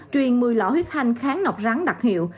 truyền một mươi lỏ huyết thanh kháng nọc rắn đặc hiệu